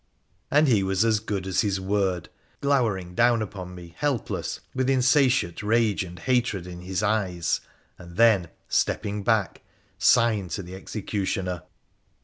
' And he was as good as his word, glowering down upon me helpless, with insatiate rage and hatred in his eyes, and then, stepping back, signed to the executioner.